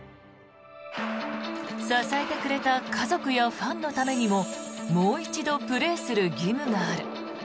支えてくれた家族やファンのためにももう一度プレーする義務がある。